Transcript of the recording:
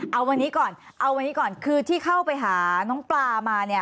เอาวันนี้ก่อนเอาวันนี้ก่อนคือที่เข้าไปหาน้องปลามาเนี่ย